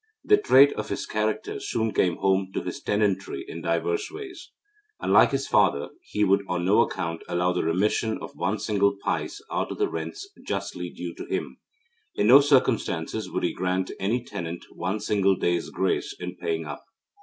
This trait of his character soon came home to his tenantry in diverse ways. Unlike his father, he would on no account allow the remission of one single pice out of the rents justly due to him. In no circumstances would he grant any tenant one single day's grace in paying up.